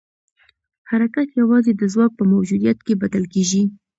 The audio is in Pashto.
حرکت یوازې د ځواک په موجودیت کې بدل کېږي.